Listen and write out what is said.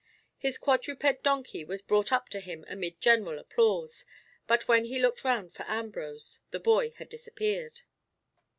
His quadruped donkey was brought up to him amid general applause, but when he looked round for Ambrose, the boy had disappeared.